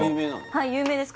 はい有名です